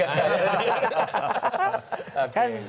atau di belakang